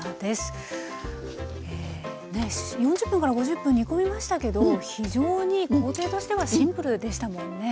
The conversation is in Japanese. ４０分から５０分煮込みましたけど非常に工程としてはシンプルでしたもんね。